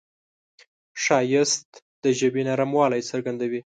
ښایست د ژبې نرموالی څرګندوي